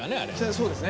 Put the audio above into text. そうですね